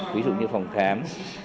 ví dụ như phòng thám